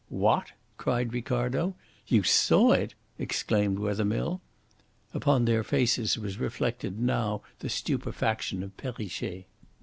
"What!" cried Ricardo. "You saw it!" exclaimed Wethermill. Upon their faces was reflected now the stupefaction of Perrichet.